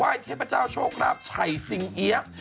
ว่ายเทพเจ้าโชคครับไฉสิงเอี๊ยะ